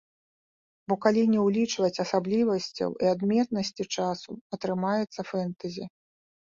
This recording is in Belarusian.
Бо калі не ўлічваць асаблівасцяў і адметнасці часу, атрымаецца фэнтэзі.